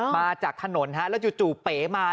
มาจากถนนฮะแล้วจู่เป๋มา